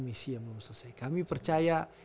misi yang belum selesai kami percaya